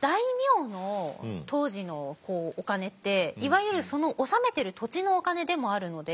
大名の当時のお金っていわゆるその治めてる土地のお金でもあるので。